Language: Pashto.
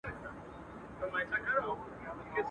دا گولۍ مي دي په سل ځله خوړلي.